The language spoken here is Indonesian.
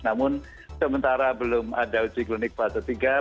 namun sementara belum ada uji klinik fase tiga